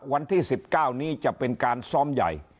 วันที่๑๙นี้จะเป็นการซ้อมใหญ่